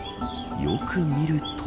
よく見ると。